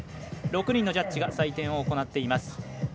６人のジャッジが採点を行っています。